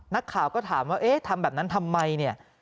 นักข่าวก็ถามว่าทำแบบนั้นทำไม